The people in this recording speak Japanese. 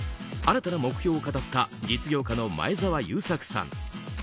新たな目標を語った実業家の前澤友作さん。